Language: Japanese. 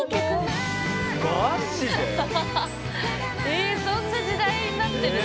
えそんな時代になってる？